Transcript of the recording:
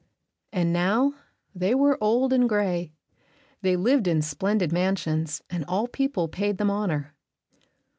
And now they were old and gray. They lived in splendid mansions, and all people paid them honor.